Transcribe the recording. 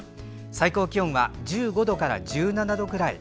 最高気温は１５度から１７度くらい。